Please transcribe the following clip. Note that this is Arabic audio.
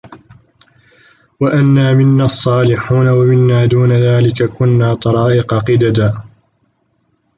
وَأَنّا مِنَّا الصّالِحونَ وَمِنّا دونَ ذلِكَ كُنّا طَرائِقَ قِدَدًا